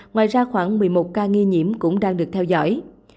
ngoài ra khoảng một mươi một ca nghi nhiễm cũng đang được theo dõi